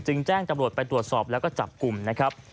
แจ้งตำรวจไปตรวจสอบแล้วก็จับกลุ่มนะครับ